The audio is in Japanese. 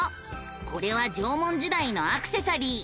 これは縄文時代のアクセサリー。